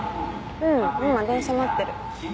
うん今電車待ってる。